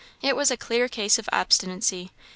It was a clear case of obstinacy.